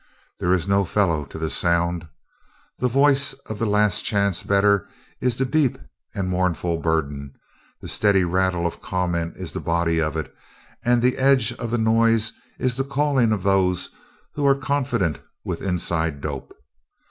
There is no fellow to the sound. The voice of the last chance better is the deep and mournful burden; the steady rattle of comment is the body of it; and the edge of the noise is the calling of those who are confident with "inside dope."